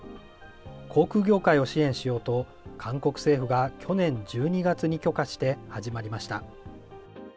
航空業界を支援しようと、韓国政府が去年１２月に許可して、始まりました。